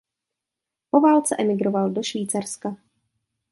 Po válce emigroval do Švýcarska.